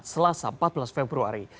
selasa empat belas februari